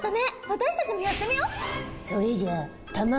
私たちもやってみよう。